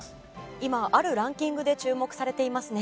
今あるランキングで注目されていますね。